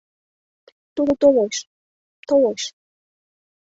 — Тудо толеш, толеш...